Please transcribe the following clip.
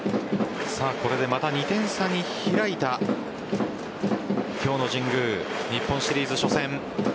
これでまた２点差に開いた今日の神宮日本シリーズ初戦。